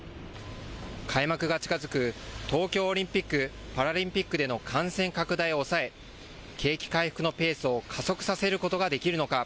開幕が近づく東京オリンピック・パラリンピックでの感染拡大を抑え、景気回復のペースを加速させることができるのか。